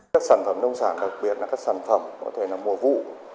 các sản phẩm nông sản đặc biệt là các sản phẩm có thể là mùa vụ